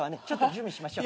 準備しましょ。